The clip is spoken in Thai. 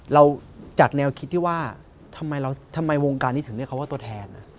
เราจัดแนวคิดที่ว่าทำไมวงการนี้ถึงเรียกเขาว่าตัวแทน